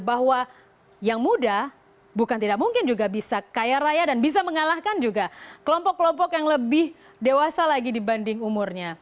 bahwa yang muda bukan tidak mungkin juga bisa kaya raya dan bisa mengalahkan juga kelompok kelompok yang lebih dewasa lagi dibanding umurnya